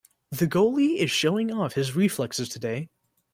The goalie is showing off his reflexes today.